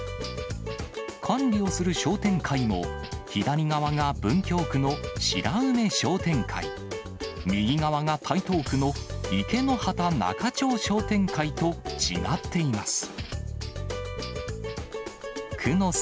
管理をする商店会も、左側が文京区の白梅商店会、右側が台東区の池之端仲町商店会と、違っています。